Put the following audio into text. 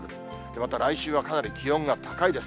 また来週はかなり気温が高いです。